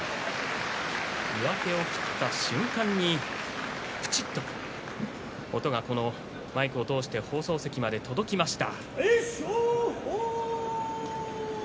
上手を切った瞬間にぷちっと音がマイクを通して放送席まで届きました。